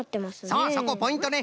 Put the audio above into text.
そうそこポイントね。